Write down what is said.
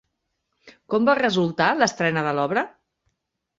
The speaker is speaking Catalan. Com va resultar l'estrena de l'obra?